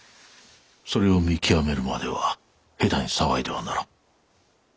それを見極めるまでは下手に騒いではならぬ。